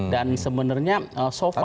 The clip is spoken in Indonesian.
dan sebenarnya so far